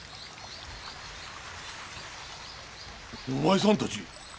お前さんたち。